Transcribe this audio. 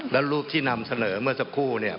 แล้วรูปที่นำเสนอเมื่อสักครู่เนี่ย